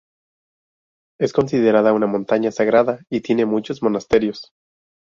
Es considerada una montaña sagrada y tiene muchos monasterios.